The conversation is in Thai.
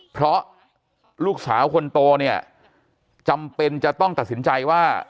เพราะลูกสาวคนโตเนี่ยจำเป็นจะต้องตัดสินใจว่า